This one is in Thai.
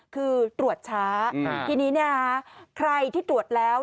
คือตรวจช้าทีนี้ใครที่ตรวจแล้ว